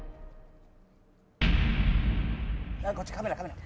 こっちカメラカメラ。